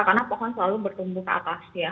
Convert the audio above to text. karena pohon selalu bertumbuh ke atas ya